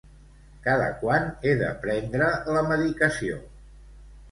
Cada quant he de prendre la medicació?